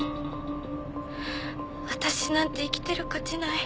私なんて生きてる価値ない。